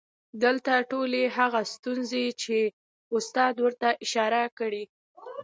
دلته ټولې هغه ستونزې چې استاد ورته اشاره کړى